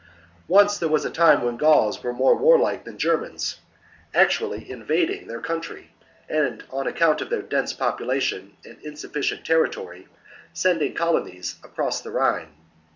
24. Once there was a time when Gauls were more warlike than Germans, actually invading their VI OF THE GAULS AND GERMANS 189 country and, on account of their dense population 53 b.c. and insufficient territory, sending colonies across 9'"^"^'^ the Rhine.